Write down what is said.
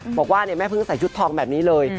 บอกว่าแม่พึ่งใส่ชุดทองแบบนี้เลย